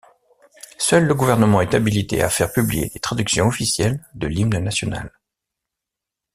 Seul le gouvernement est habilité à faire publier des traductions officielles de l'hymne national.